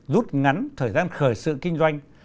rút ngắn thời gian khởi sự kinh doanh